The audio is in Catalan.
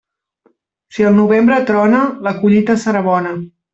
Si el novembre trona, la collita serà bona.